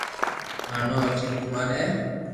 مارو نوم اجيت ڪمار ھي